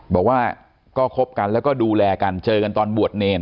บอกว่าก็คบกันแล้วก็ดูแลกันเจอกันตอนบวชเนร